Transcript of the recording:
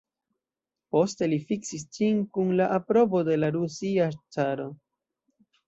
Poste li fiksis ĝin kun la aprobo de la Rusia Caro.